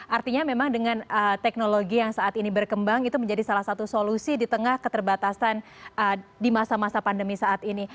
artinya memang dengan teknologi yang saat ini berkembang itu menjadi salah satu solusi di tengah keterbatasan di masa masa pandemi saat ini